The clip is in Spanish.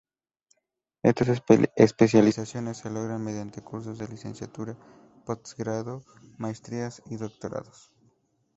Estas especializaciones se logran mediante cursos de licenciatura, post-grado, maestrías, y doctorados.